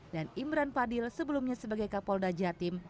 dan imran fadil sebelumnya sebagai kapolda jatim